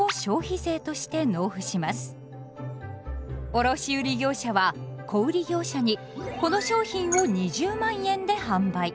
卸売業者は小売業者にこの商品を２００，００００円で販売。